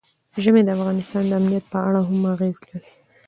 ژمی د افغانستان د امنیت په اړه هم اغېز لري.